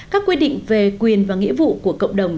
các quy định về quyền và nghĩa vụ của cộng đồng